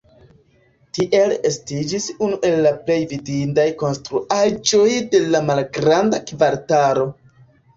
Tiel estiĝis unu el la plej vidindaj konstruaĵoj de la Malgranda Kvartalo.